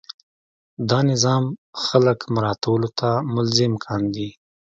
دا نظام خلک مراعاتولو ته ملزم کاندي.